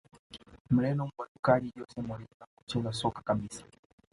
Mreno mbwatukaji Jose Mourinho hakucheza soka kabisa